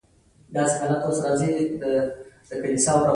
له هغه پرته کابو په ټولو څپرکو کې سړی په اصلي منځپانګه نه پوهېږي.